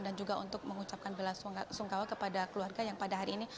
dan juga untuk mengucapkan belasungkawa kepada keluarga yang pada hari ini